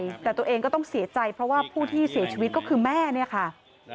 แต่ตัวเองก็ต้องเสียใจเพราะว่าผู้ที่เสียชีวิตก็คือแม่เนี่ยค่ะ